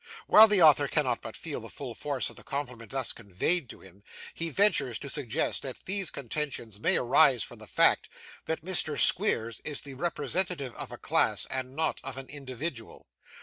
"While the Author cannot but feel the full force of the compliment thus conveyed to him, he ventures to suggest that these contentions may arise from the fact, that Mr. Squeers is the representative of a class, and not of an individual.